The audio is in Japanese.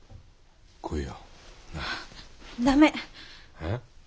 えっ？